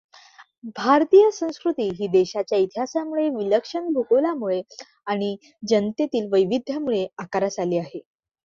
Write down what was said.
भारतीय संस्कृती ही देशाच्या इतिहासामुळे, विलक्षण भूगोलामुळे आणि जनतेतील वैविध्यामुळे आकारास आली आहे.